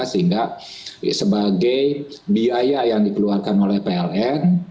sehingga sebagai biaya yang dikeluarkan oleh pln